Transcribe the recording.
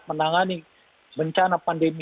menangani bencana pandemi